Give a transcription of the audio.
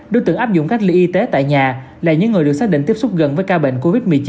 đối tượng áp dụng cách ly y tế tại nhà là những người được xác định tiếp xúc gần với ca bệnh covid một mươi chín